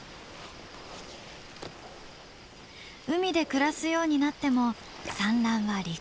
海で暮らすようになっても産卵は陸。